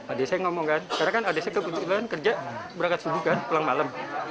adc ngomong kan karena kan adc kebetulan kerja berangkat subuh kan pulang malam